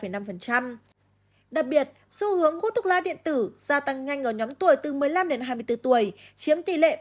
đặc biệt xu hướng hút thuốc lá điện tử gia tăng nhanh ở nhóm tuổi từ một mươi năm hai mươi bốn tuổi chiếm tỷ lệ bảy ba